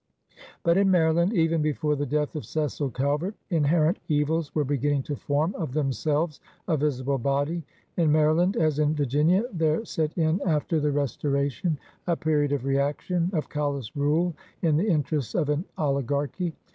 But in Maryland, even before the death of Cecil Calvert, inherent evils were beginning to form of themselves a visible body. In Maryland, as in Vir ginia, there set in after the Restoration a period of reaction, of callous rule in the interests of an oli garchy.